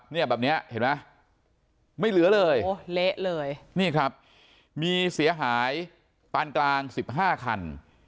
เนี่ยแบบนี้เห็นไหมไม่เหลือเลยเนี่ยครับมีเสียหายปานกลาง๑๕คัน